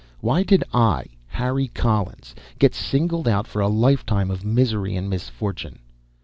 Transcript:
Why did I, Harry Collins, get singled out for a lifetime of misery and misfortune?"